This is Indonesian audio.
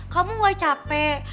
kamu gak capek